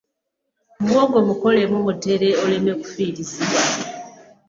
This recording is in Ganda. Muwogo mukolemu mutere oleme kufiirizibwa